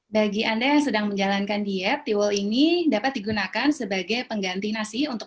bagi anda yang sedang menjalankan diet tiwul ini dapat digunakan sebagai pengganti nasi untuk